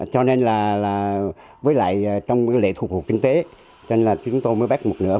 cho nên là với lại trong lệ thuộc hộ kinh tế cho nên là chúng tôi mới bắt một nửa